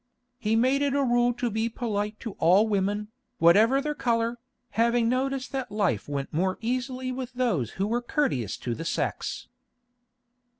He made it a rule to be polite to all women, whatever their colour, having noticed that life went more easily with those who were courteous to the sex.